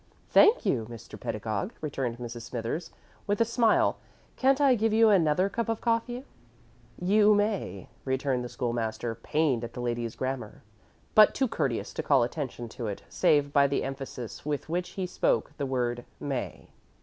"Thank you, Mr. Pedagog," returned Mrs. Smithers, with a smile. "Can't I give you another cup of coffee?" "You may," returned the School master, pained at the lady's grammar, but too courteous to call attention to it save by the emphasis with which he spoke the word "may."